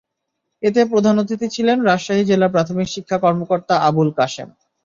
এতে প্রধান অতিথি ছিলেন রাজশাহী জেলা প্রাথমিক শিক্ষা কর্মকর্তা আবুল কাশেম।